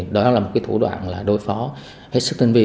đó là một thủ đoạn đối phó hết sức tinh vi